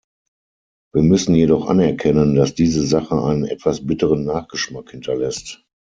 Wir müssen jedoch anerkennen, dass diese Sache einen etwas bitteren Nachgeschmack hinterlässt.